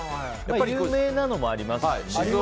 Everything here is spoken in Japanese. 有名なのもありますよね。